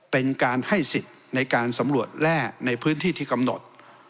เป็นการให้สิทธิ์ในการสำรวจแร่ในพื้นที่ที่กำหนด